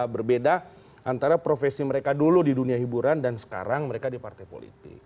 berbeda antara profesi mereka dulu di dunia hiburan dan sekarang mereka di partai politik